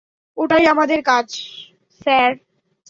ওটাই আমাদের কাজ, স্যার।